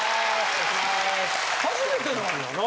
初めてなんやな。